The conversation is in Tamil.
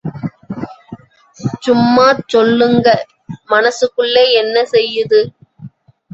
சும்மாச் சொல்லுங்க... மனசுக்குள்ளே என்ன செய்யுது?